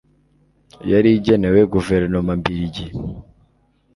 yari igenewe guverinoma mbiligi